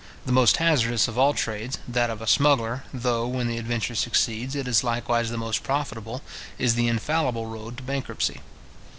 The most hazardous of all trades, that of a smuggler, though, when the adventure succeeds, it is likewise the most profitable, is the infallible road to bankruptcy.